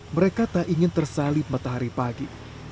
mereka tak ingin tersalib matahari pagi